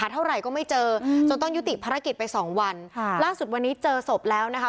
เท่าไหร่ก็ไม่เจอจนต้องยุติภารกิจไปสองวันค่ะล่าสุดวันนี้เจอศพแล้วนะคะ